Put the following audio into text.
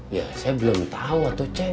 ya saya belum tahu tuh ceng